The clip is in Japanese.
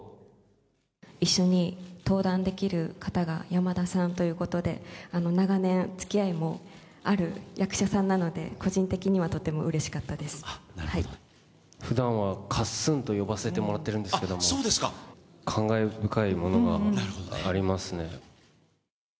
一緒に登壇できる方が山田さんということで、長年、つきあいもある役者さんなので、個人的にはとてもうれしかったでふだんは、かっすんと呼ばせてもらってるんですけれども、感慨深いものがありますね。